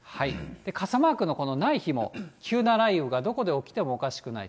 傘マークのない日も、急な雷雨がどこで起きてもおかしくない。